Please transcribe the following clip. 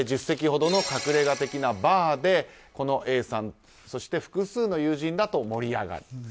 １０席ほどの隠れ家的なバーでこのＡさん、複数の友人らと盛り上がる。